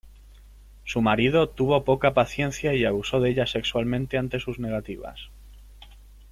Su marido tuvo poca paciencia y abusó de ella sexualmente ante sus negativas.